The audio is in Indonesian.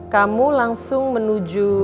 kamu langsung menuju